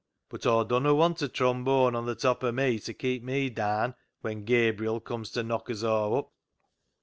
But Aw dunno want a trombone on the top o' me to keep me daan when Gabriel comes to knock us aw up."